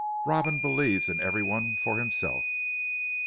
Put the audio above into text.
Robin believes in everyone for himself."